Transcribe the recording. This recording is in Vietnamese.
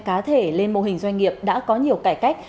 cá thể lên mô hình doanh nghiệp đã có nhiều cải cách